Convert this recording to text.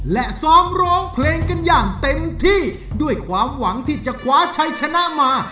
และซ้อมร้องเพลงกันอย่างเต็มที่ด้วยความหวังที่จะคว้าชัยชนะมา